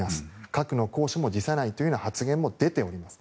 核の行使も辞さないという発言も出ております。